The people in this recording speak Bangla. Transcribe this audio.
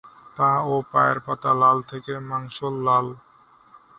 পা ও পায়ের পাতা লাল থেকে মাংসল লাল।